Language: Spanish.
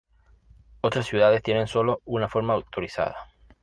Otras ciudades tienen sólo una forma autorizada.